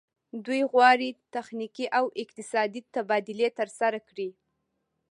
دوی غواړي تخنیکي او اقتصادي تبادلې ترسره کړي